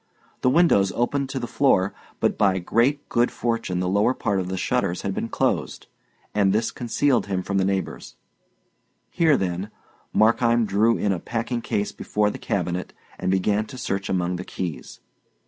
The windows opened to the floor; but by great good fortune the lower part of the shutters had been closed, and this concealed him from the neighbours. Here, then, Markheim drew in a packing case before the cabinet, and began to search among the keys.